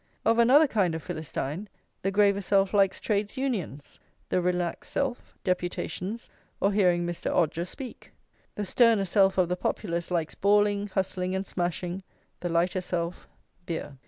Of another kind of Philistine, the graver self likes trades' unions; the relaxed self, deputations, or hearing Mr. Odger speak. The sterner self of the Populace likes bawling, hustling, and smashing; the lighter self, beer.